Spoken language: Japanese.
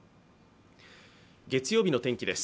月曜日の天気です。